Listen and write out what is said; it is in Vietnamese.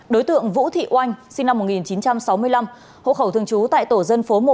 đối tượng vũ thị oanh sinh năm một nghìn chín trăm sáu mươi năm hộ khẩu thường trú tại tổ dân phố một